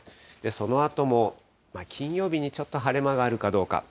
そのあとも金曜日にちょっと晴れ間があるかどうか。